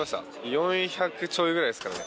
４００ちょいぐらいですかね。